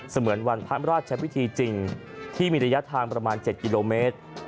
เหมือนวันพระราชพิธีจริงที่มีระยะทางประมาณ๗กิโลเมตร